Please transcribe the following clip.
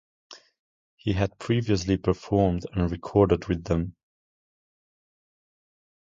He had previously performed and recorded with them.